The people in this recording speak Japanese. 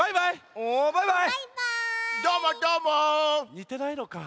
にてないのか。